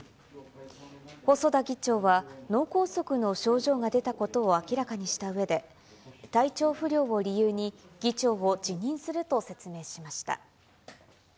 細田議長は脳梗塞の症状が出たことを明らかにしたうえで、体調不良を理由に議長を辞任すると説明しました。